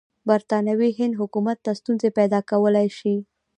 برټانوي هند حکومت ته ستونزې پیدا کولای شي.